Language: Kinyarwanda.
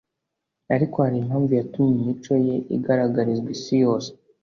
ariko hari impamvu yatumye imico ye igaragarizwa isi yose